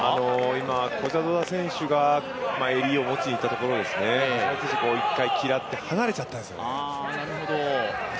今、コジャゾダ選手が襟を持ちに行ったところ、橋本選手、一回嫌って離れちゃったんですよね。